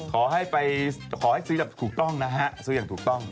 ขอให้ไปขอให้ซื้อแบบถูกต้องนะฮะซื้ออย่างถูกต้อง